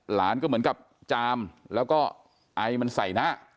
หลานก็เหมือนกับจามแล้วก็ไอมันใส่หน้า